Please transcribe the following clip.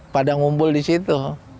pada ngumpul di situ